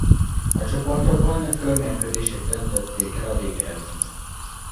A csoportokban körmérkőzések döntötték el a végeredményt.